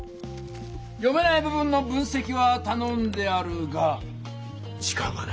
読めない部分の分せきはたのんであるが時間がない。